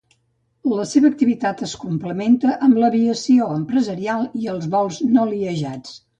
La seva activitat es complementa amb l'aviació empresarial i els vols noliejats.